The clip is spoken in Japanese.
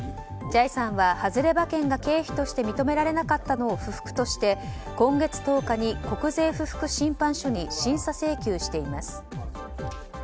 じゃいさんは外れ馬券が経費として認められなかったのを不服として今月１０日に国税不服審判所に審査請求しています。